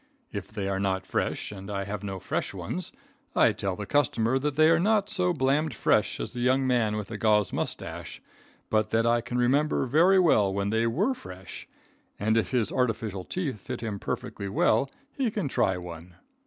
If they are not fresh, and I have no fresh ones, I tell the customer that they are not so blamed fresh as the young man with the gauze moustache, but that I can remember very well when they were fresh, and if his artificial teeth fit him pretty well he can try one.